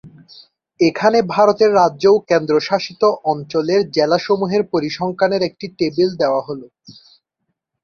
এখানে ভারতের রাজ্য ও কেন্দ্রশাসিত অঞ্চলের জেলাসমূহের পরিসংখ্যানের একটি টেবিল দেওয়া হলো।